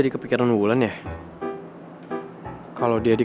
stu stu kuliah ohihi enam